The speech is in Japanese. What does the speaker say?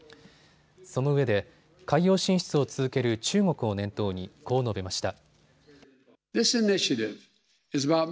そのうえで海洋進出を続ける中国を念頭にこう述べました。